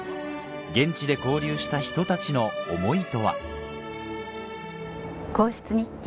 現地で交流した人たちの思いとは『皇室日記』